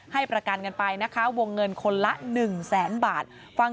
ให้ประกันกันไปนะคะวงเงินคนละ๑แสนบาทฟัง